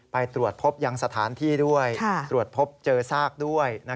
ไปตรวจพบยังสถานที่ด้วยตรวจพบเจอซากด้วย